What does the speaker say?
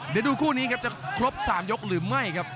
เดี๋ยวดูคู่นี้ครับจะครบ๓ยกหรือไม่ครับ